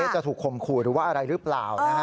จะถูกคมขุดอ่ะหรือว่าอะไรครับ